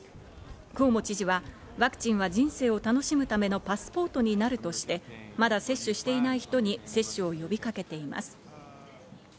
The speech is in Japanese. クオモ知事は、ワクチンは人生を楽しむためのパスポートになるとして、まだ接種していない人に接種を呼びかけています。